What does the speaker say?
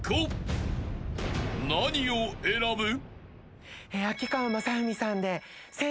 ［何を選ぶ？］